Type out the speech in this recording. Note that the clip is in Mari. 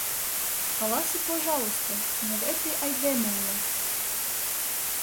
Каласе, пожалуйста, могай тый айдеме улат?